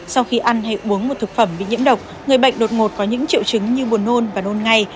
sau khi ăn hay uống một thực phẩm bị nhiễm độc người bệnh đột ngột có những triệu chứng như buồn nôn và nôn ngay